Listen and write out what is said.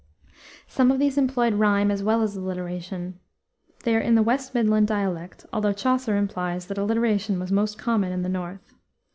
Some of these employed rhyme as well as alliteration. They are in the West Midland dialect, although Chaucer implies that alliteration was most common in the north.